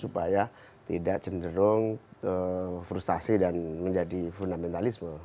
supaya tidak cenderung frustasi dan menjadi fundamentalisme